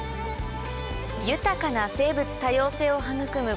豊かな生物多様性を育む